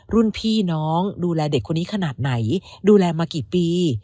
รุ่นพี่น้องดูแลเด็กคนนี้ขนาดไหนดูแลมากี่ปี